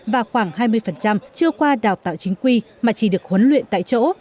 và khoảng hai mươi chưa qua đào tạo chính quy mà chỉ được huấn luyện tại chỗ